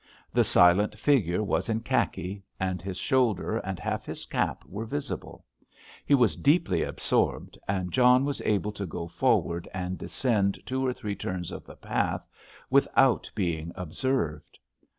The silent figure was in khaki, and his shoulder and half his cap were visible. He was deeply absorbed, and John was able to go forward and descend two or three turns of the path without being observed.